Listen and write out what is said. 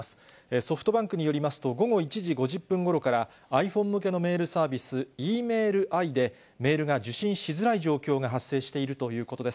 ソフトバンクによりますと、午後１時５０分ごろから、ｉＰｈｏｎｅ向けのメールサービス、イーメールアイで、メールが受信しづらい状況が発生しているということです。